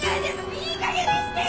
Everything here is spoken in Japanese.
いいかげんにしてよ！